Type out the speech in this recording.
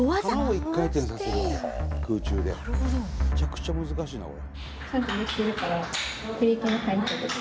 めちゃくちゃ難しいなこれ。